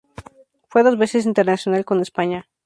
Fue dos veces internacional con España.